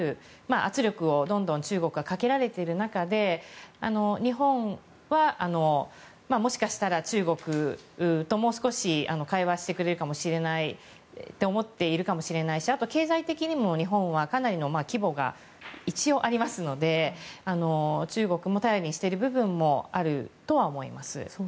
圧力をどんどん中国がかけられている中で日本はもしかしたら中国ともう少し会話してくれるかもしれないと思っているかもしれないしあとは経済的にも日本はかなりの規模が一応ありますので中国も頼りにしている部分もあるとは思います。